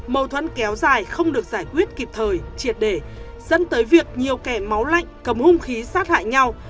mâu thuẫn kéo dài không được giải quyết kịp thời triệt để dẫn tới việc nhiều kẻ máu lạnh cầm hung khí sát hại nhau